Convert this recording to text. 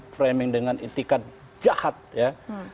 framing dengan itikat jahat ya